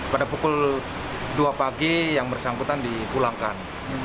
pada pukul dua pagi yang bersangkutan dipulangkan